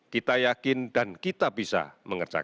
kita yakin dan kita bisa mengerjakan